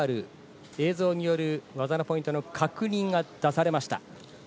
映像による技のポイントの確認が出されました。